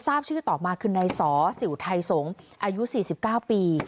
ทราบชื่อต่อมาคือนายสอสิวไทยสงศ์อายุ๔๙ปี